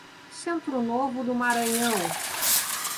Centro Novo do Maranhão